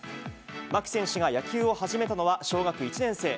牧選手が野球を始めたのは、小学１年生。